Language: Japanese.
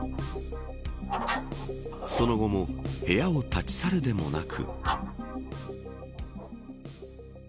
その後も部屋を立ち去るでもなく。